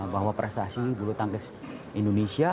bahwa prestasi bulu tangkis indonesia